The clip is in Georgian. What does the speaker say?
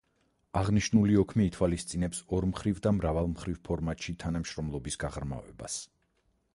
აღნიშნული ოქმი ითვალისწინებს ორმხრივ და მრავალმხრივ ფორმატში თანამშრომლობის გაღრმავებას.